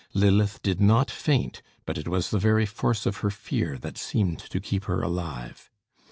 Lilith did not faint, but it was the very force of her fear that seemed to keep her alive.